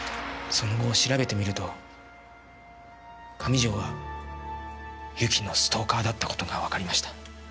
その後調べてみると上条は由紀のストーカーだった事がわかりました。